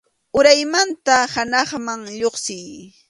Uraymanta hanaqman lluqsiy.